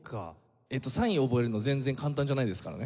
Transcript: えっとサインを覚えるの全然簡単じゃないですからね。